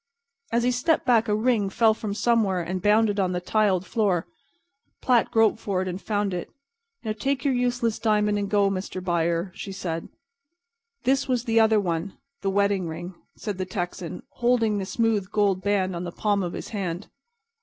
As he stepped back a ring fell from somewhere and bounded on the tiled floor. Platt groped for it and found it. "Now, take your useless diamond and go, Mr. Buyer," she said. "This was the other one—the wedding ring," said the Texan, holding the smooth gold band on the palm of his hand.